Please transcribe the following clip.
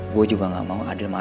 terima kasih simple